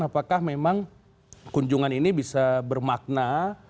apakah memang kunjungan ini bisa bermakna